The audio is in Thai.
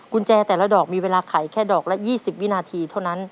คุณแจแต่ละดอกมีเวลาไขแค่ดอกละ๒๐วินาทีเท่านั้น